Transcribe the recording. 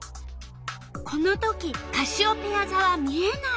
この時カシオペヤざは見えない。